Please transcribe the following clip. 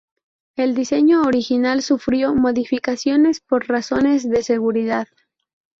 El diseño original sufrió modificaciones por razones de seguridad.